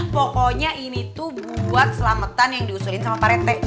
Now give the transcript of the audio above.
pokoknya ini tuh buat selamatan yang diusulin sama parente